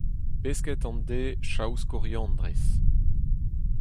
Pesked an deiz chaous koriandrez.